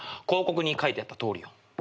広告に書いてあったとおりよ。